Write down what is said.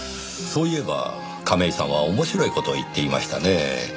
そういえば亀井さんは面白い事を言っていましたねぇ。